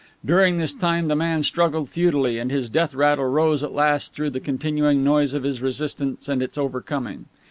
During this time the man struggled futilely, and his death rattle rose at last though the continued noise of his resistance and its overcoming.